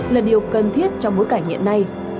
là điều cần thiết trong bối cảnh hiện nay